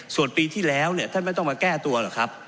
ส่วนปีที่แล้วท่านไม่ต้องมาแก้ตัวหรอกครับ